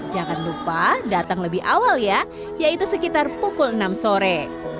jangan lupa datang lebih awal ya yaitu sekitar pukul enam sore